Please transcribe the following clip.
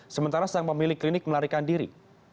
sementara sang pemilik klinik melarikan diri